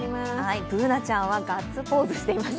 Ｂｏｏｎａちゃんはガッツポーズしています。